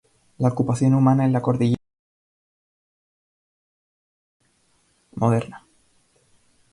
La ocupación humana en la cordillera es relativamente moderna.